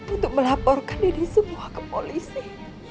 untuk melaporkan diri semua ke polisi